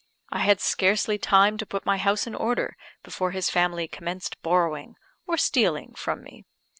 I had scarcely time to put my house in order before his family commenced borrowing, or stealing from me.